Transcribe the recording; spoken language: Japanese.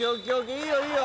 いいよいいよ！